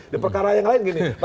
di perkara yang lain gini